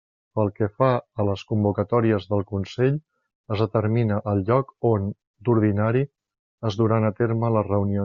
Pel que fa a les convocatòries del Consell, es determina el lloc on, d'ordinari, es duran a terme les reunions.